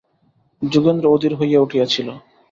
যোগেন্দ্র অধীর হইয়া উঠিয়াছিল।